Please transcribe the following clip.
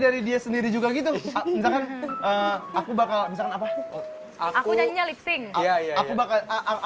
dari dia sendiri juga gitu aku bakal misalnya apa aku nyanyinya lip sync iya